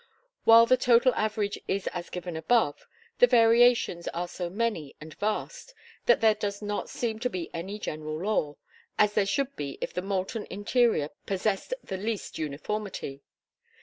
While the total average is as given above, the variations are so many and vast, that there does not seem to be any general law, as there should be if the molten interior possessed the least uniformity.